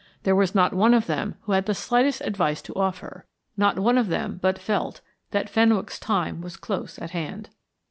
There was not one of them who had the slightest advice to offer, not one of them but felt that Fenwick's time was close at hand.